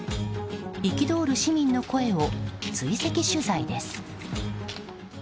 憤る市民の声を追跡取材です。